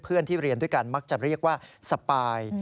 เพื่อนที่เรียนด้วยกันมักจะเรียกว่าสปาย